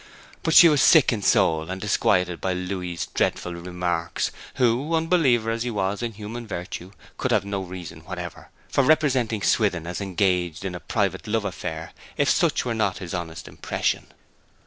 But she was sick in soul and disquieted still by Louis's dreadful remarks, who, unbeliever as he was in human virtue, could have no reason whatever for representing Swithin as engaged in a private love affair if such were not his honest impression.